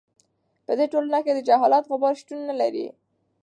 په دې ټولنه کې د جهالت غبار شتون نه لري.